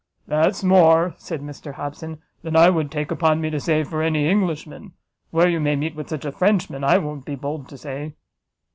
"That's more," said Mr Hobson, "than I would take upon me to say for any Englishman! where you may meet with such a Frenchman, I won't be bold to say."